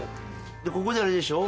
ここであれでしょ？